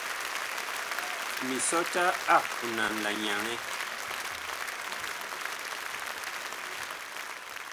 Misɔta ag punan la nyaŋɛ.